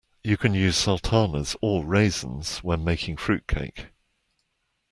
You can use sultanas or raisins when making fruitcake